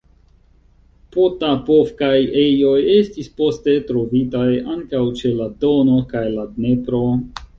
Potapovkaj ejoj estis poste trovitaj ankaŭ ĉe la Dono kaj la Dnepro.